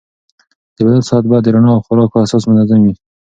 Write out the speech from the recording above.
د بدن ساعت باید د رڼا او خوراک په اساس منظم وي.